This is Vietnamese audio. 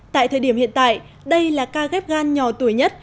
tại thời điểm hiện tại đây là ca ghép gan nhỏ tuổi nhất